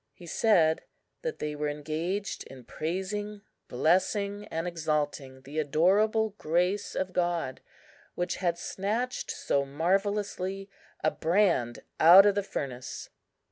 He said that they were engaged in praising, blessing, and exalting the adorable Grace of God, which had snatched so marvellously a brand out of the furnace.